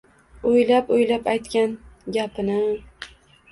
O`ylab-o`ylab aytgan gapini